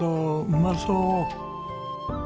うまそう！